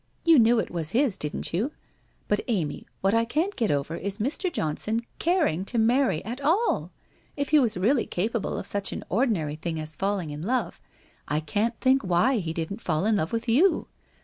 You knew it was his, didn't you? But, Amy, what I can't get over is Mr. Johnson caring to marry at all! If he was really capable <>( such as ordinary thing as falling in love I can't think why lie didn't fall in love with yon?